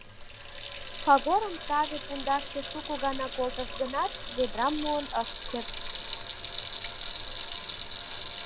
Пагорым таве пундашке шуко гана колтышт гынат, ведрам муын ышт керт.